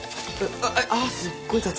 あっすっごい雑。